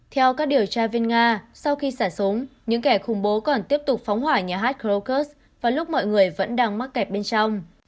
theo các điều tra viên nga sau khi xả súng những kẻ khủng bố còn tiếp tục phóng hỏa nhà hát krokus và lúc mọi người vẫn đang mắc kẹt bên trong